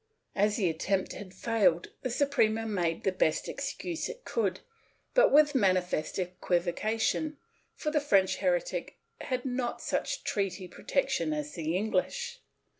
^ As the attempt had failed, the Suprema made the best excuse it could, but with manifest equivocation, for the French heretic had not such treaty protection as the English.